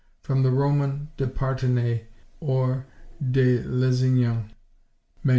From the Roman de Partenay, or de Lezignan, MS.